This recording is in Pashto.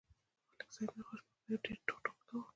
ملک صاحب خو نن شپه بیا ډېر ټوخ ټوخ کاوه